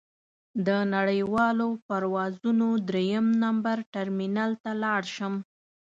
د نړیوالو پروازونو درېیم نمبر ټرمینل ته لاړ شم.